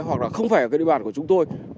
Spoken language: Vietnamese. hoặc là không phải ở cái địa bàn của chúng tôi